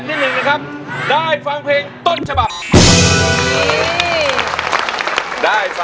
อินโทรเพลงที่๓มูลค่า๔๐๐๐๐บาทมาเลยครับ